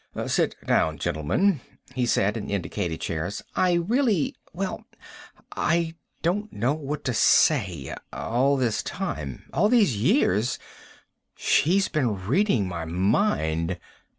"Sit down, gentlemen," he said, and indicated chairs. "I really ... well, I don't know what to say. All this time, all these years, she's been reading my mind!